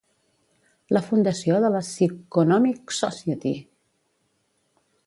La fundació de la Psychonomic Society.